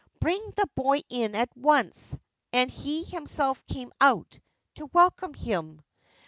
Bring the boy in at once/ and he himself came out to welcome him.